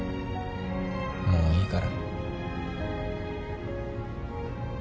もういいから。